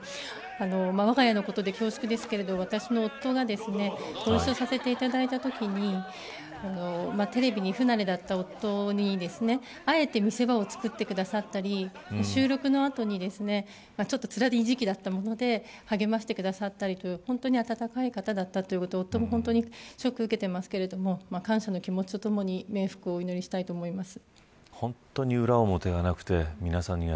わが家のことで恐縮ですが私の夫がご一緒させていただいたときにテレビに不慣れだった夫にあえて見せ場を作ってくださったり収録の後に、ちょっとつらい時期だったもので励ましてくださったりという本当に温かい方だったということで、本当に夫もショックを受けていますが感謝の気持ちとともにご冥福をお祈りしたいと思います。